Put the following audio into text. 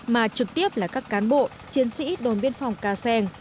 mà trực tiếp là các cán bộ chiến sĩ đồn biên phòng ca sen